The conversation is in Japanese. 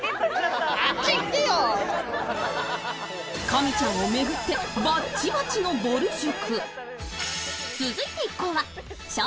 神ちゃんをめぐって、バッチバチのぼる塾。